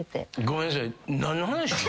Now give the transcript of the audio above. ごめんなさい。